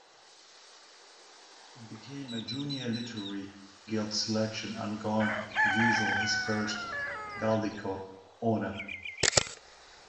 It became a Junior Literary Guild selection and garnered Geisel his first Caldecott Honor.